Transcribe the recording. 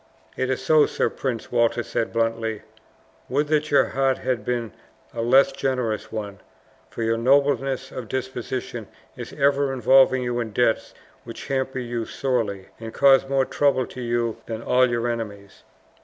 "It is so, Sir Prince," Walter said bluntly. "Would that your heart had been a less generous one, for your nobleness of disposition is ever involving you in debts which hamper you sorely, and cause more trouble to you than all your enemies!"